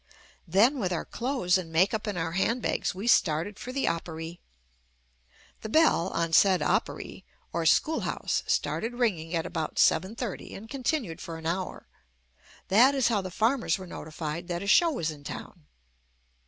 Then with our clothes and makeup in our handbags we started for the "Opery." The bell on said "opery" or school house started ringing at about seven thirty and continued for an hour — that is how the farmers were notified that a show was in town.